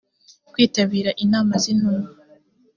kwitabira inama z intumwa